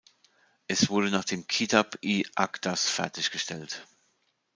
Es wurde nach dem Kitab-i-Aqdas fertiggestellt.